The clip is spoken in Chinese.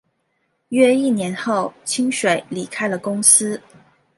约一年后清水离开了公司。